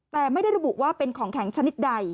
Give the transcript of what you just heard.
แต่ไม่ได้ระบุว่าเป็นของแข็งชนิดใด